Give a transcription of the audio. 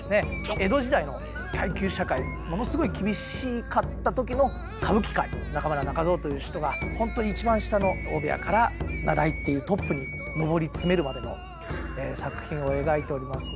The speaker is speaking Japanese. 江戸時代の階級社会ものすごい厳しかったときの歌舞伎界中村仲蔵という人がほんと一番下の大部屋から名題っていうトップにのぼり詰めるまでの作品を描いておりますので。